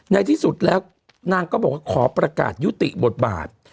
ในที่สุดแล้วนางก็บอกว่าขอประกาศยุติบทบาท